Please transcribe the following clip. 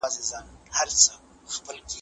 ستا د حسن ترانه وای